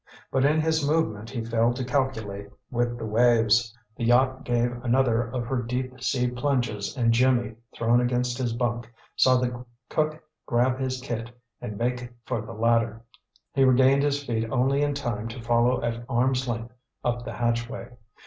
But in his movement he failed to calculate with the waves. The yacht gave another of her deep sea plunges, and Jimmy, thrown against his bunk, saw the cook grab his kit and make for the ladder. He regained his feet only in time to follow at arm's length up the hatchway.